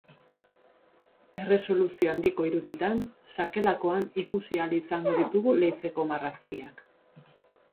Erresoluzio handiko iruditan, sakelakoan ikusi ahal izango ditugu leizeko marrazkiak.